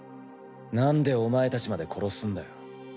なんでお前たちまで殺すんだよ。